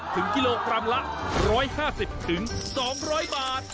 ถึงกิโลกรัมละ๑๕๐๒๐๐บาท